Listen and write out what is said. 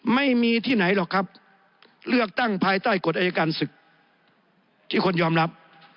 ไม่มีที่ไหนหรอกครับเลือกตั้งภายใต้กฎอายการศึกที่คนยอมรับ